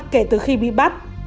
kể từ khi bị bắt